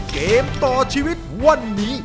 เกมต่อชีวิตวันนี้